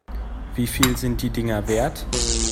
Wie viel sind die Dinger wert?